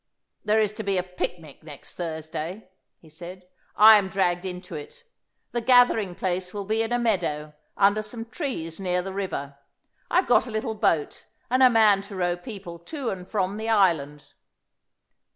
"There is to be a picnic next Thursday," he said; "I am dragged into it. The gathering place will be in a meadow, under some trees near the river. I've got a little boat, and a man to row people to and from the island."